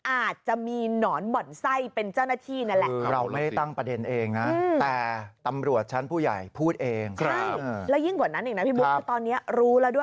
อาจจะมีหนอนบ่อนไส้เป็นเจ้าหน้าที่นั่นแหละ